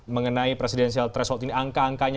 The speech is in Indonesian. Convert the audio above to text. mengenai presidensial threshold ini angka angkanya